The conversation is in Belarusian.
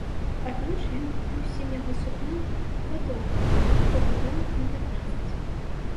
Аднойчы ён купіў з сіняга сукна ватоўку, хлопцу гадоў на пятнаццаць.